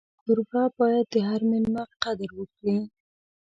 کوربه باید د هر مېلمه قدر وکړي.